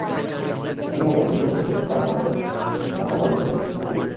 একইভাবে দ্বিতীয় বিশ্বযুদ্ধে তাঁর নানা জেমস আর্থার ফারগুসনেরও কিছু ছবি রয়েছে।